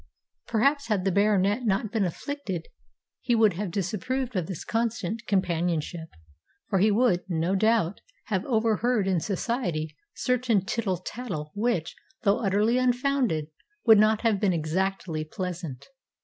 Perhaps had the Baronet not been afflicted he would have disapproved of this constant companionship, for he would, no doubt, have overheard in society certain tittle tattle which, though utterly unfounded, would not have been exactly pleasant.